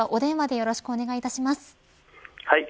よろしくお願いします。